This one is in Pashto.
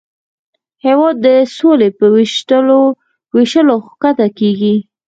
هېواد د سولې په ویشلو ښکته کېږي.